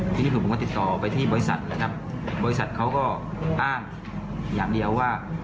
ทีนี้ผมก็ติดต่อไปที่บริษัทนะครับบริษัทเขาก็อ้างอย่างเดียวว่า